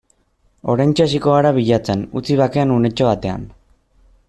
Oraintxe hasiko gara bilatzen, utzi bakean unetxo batean.